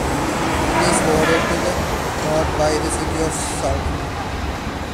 It is bordered to the north by the city of Sulphur.